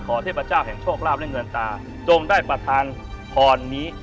เทพเจ้าแห่งโชคลาภและเงินตาจงได้ประธานพรนี้